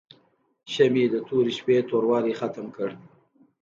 شمعه د تورې شپې توروالی ختم کړ.